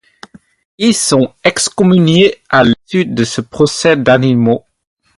Ils sont excommuniés à l'issue de ce procès d'animaux.